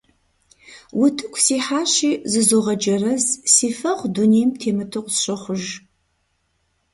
Утыку сихьащи, зызогъэджэрэз, си фэгъу дунейм темыту къысщохъуж.